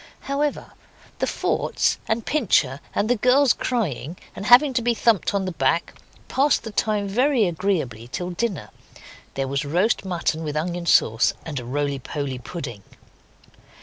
However, the forts, and Pincher, and the girls crying, and having to be thumped on the back, passed the time very agreeably till dinner. There was roast mutton with onion sauce, and a roly poly pudding.